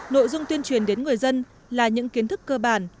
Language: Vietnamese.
nội dung tuyên truyền đến người dân là những kiến thức cơ bản